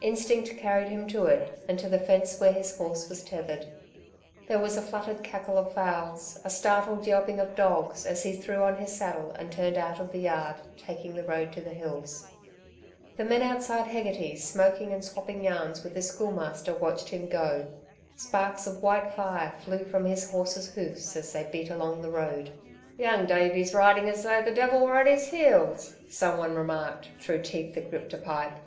Instinct carried him to it, and to the fence where his horse was tethered. There was a fluttered cackle of fowls, a startled yelping of dogs, as he threw on his saddle and turned out of the yard, taking the road to the hills. The men outside Hegarty's, smoking and swopping yarns with the Schoolmaster, watched him go. Sparks of white fire flew from his horse's hoofs as they beat along the road. "Young Davey's riding as though the devil were at his heels," someone remarked, through teeth that gripped a pipe.